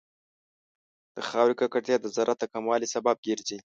د خاورې ککړتیا د زراعت د کموالي سبب ګرځي.